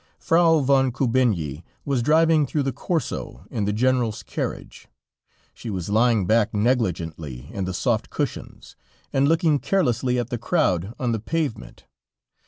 Frau von Kubinyi was driving through the Corso in the General's carriage; she was lying back negligently in the soft cushions, and looking carelessly at the crowd on the pavement.